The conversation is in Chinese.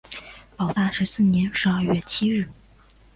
保大十四年十二月七日。